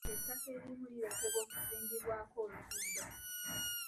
Ettaka erimu lirekebwa okuzimbibwako oluguudo.